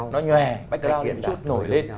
nó nhòe background một chút nổi lên